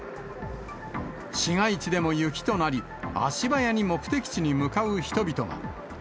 市街地でも雪となり、足早に目的地に向かう人々が。